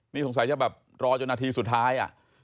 นี่สงสัยจะแบบรอจนนาทีสุดท้าย